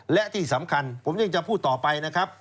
และที่สำคัญผมยังจะพูดต่อไปนะครับ